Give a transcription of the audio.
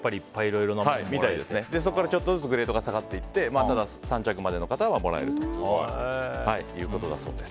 そこからちょっとずつグレードが下がっていって３着までの方はもらえるということだそうです。